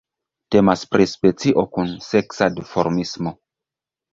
Temas pri specio kun seksa duformismo.